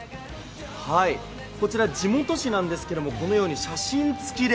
こちら地元紙なんですがこのように写真付きで